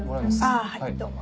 ああはいどうも。